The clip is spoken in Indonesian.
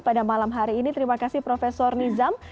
pada malam hari ini terima kasih prof nizam